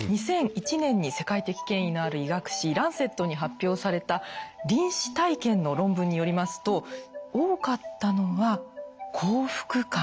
２００１年に世界的権威のある医学誌「ランセット」に発表された臨死体験の論文によりますと多かったのは幸福感。